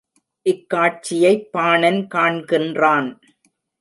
இக்காட்சியைப் பாணன் காண்கின்றான்.